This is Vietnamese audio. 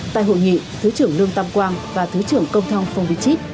tại hội nghị thứ trưởng lương tâm quang và thứ trưởng công thong phong vy chít